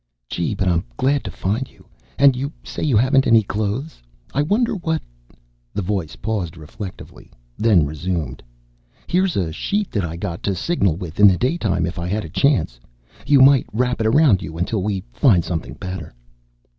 "Gee, but I'm glad to find you! And you say you haven't any clothes? I wonder what...." The voice paused reflectively, then resumed, "Here's a sheet that I got to signal with in the daytime, if I had a chance. You might wrap it around you until we find something better."